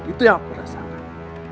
itu yang aku rasakan